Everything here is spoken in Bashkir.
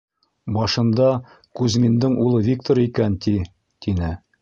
Башында Кузьминдың улы Виктор икән, ти, — тине.